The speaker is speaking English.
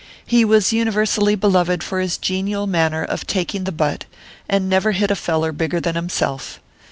He was universally beloved for his genial manner of taking the butt, and never hit a feller bigger than himself.